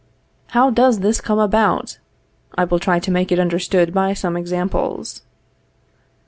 How does this come about? I will try to make it understood by some examples.